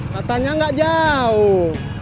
katanya gak jauh